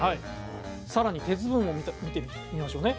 更に鉄分を見てみましょうね。